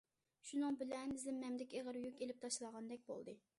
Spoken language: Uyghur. شۇنىڭ بىلەن زىممەمدىكى ئېغىر يۈك ئېلىپ تاشلانغاندەك بولدى.